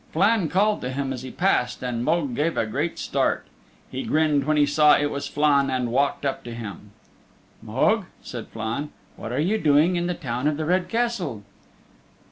Flann called to him as he passed and Mogue gave a great start. He grinned when he saw it was Flann and walked up to him. "Mogue," said Flann, "what are you doing in the Town of the Red Castle?"